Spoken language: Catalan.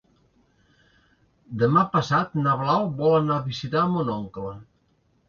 Demà passat na Blau vol anar a visitar mon oncle.